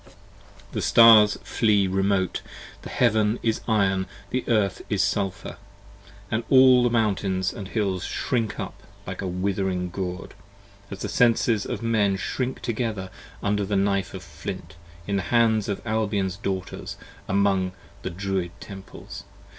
79 The Stars flee remote: the heaven is iron, the earth is sulphur, And all the mountains & hills shrink up like a withering gourd: As the Senses of Men shrink together under the Knife of flint, 84 In the hands of Albion's Daughters, among the Druid Temples, p.